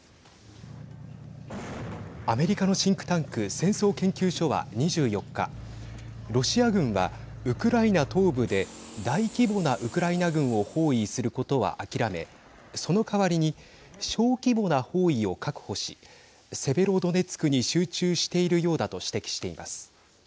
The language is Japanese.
アメリカのシンクタンク戦争研究所は２４日ロシア軍は、ウクライナ東部で大規模なウクライナ軍を包囲することは諦めそのかわりに小規模な包囲を確保しセベロドネツクに集中しているようだと指摘しています。